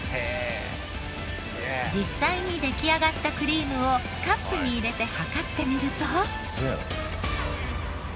実際に出来上がったクリームをカップに入れて量ってみると。